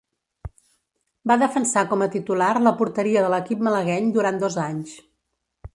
Va defensar com a titular la porteria de l'equip malagueny durant dos anys.